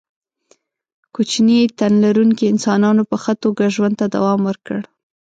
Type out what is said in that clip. کوچني تن لرونکو انسانانو په ښه توګه ژوند ته دوام ورکړ.